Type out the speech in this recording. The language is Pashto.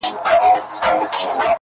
• د کلي سپی یې؛ د کلي خان دی؛